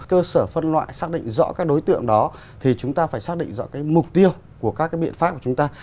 cơ sở phân loại xác định rõ các đối tượng đó thì chúng ta phải xác định rõ cái mục tiêu của các cái biện pháp của chúng ta